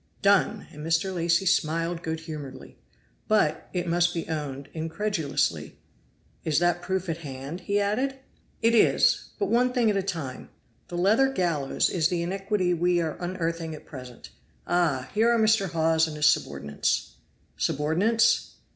"Done!" and Mr. Lacy smiled good humoredly, but, it must be owned, incredulously. "Is that proof at hand?" he added. "It is. But one thing at a time the leathern gallows is the iniquity we are unearthing at present. Ah! here are Mr. Hawes and his subordinates." "Subordinates?"